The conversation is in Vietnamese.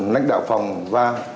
nách đạo phòng va